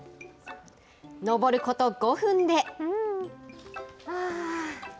上ること５分で。